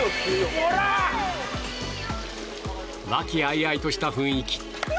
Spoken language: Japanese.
和気あいあいとした雰囲気。